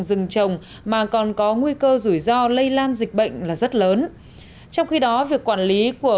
rừng trồng mà còn có nguy cơ rủi ro lây lan dịch bệnh là rất lớn trong khi đó việc quản lý của